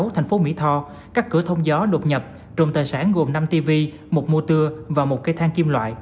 thành phố mỹ tho cắt cửa thông gió đột nhập trộm tài sản gồm năm tv một mô tưa và một cây thang kim loại